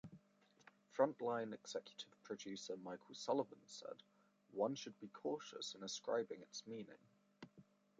"Frontline" executive producer Michael Sullivan said, "one should be cautious in ascribing its meaning.